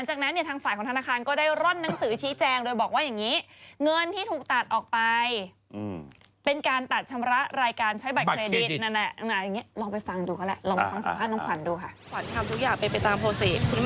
อืมอืมอืมอืมอืมอืมอืมอืม